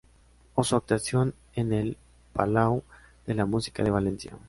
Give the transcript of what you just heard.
O su actuación en el Palau de la música de Valencia.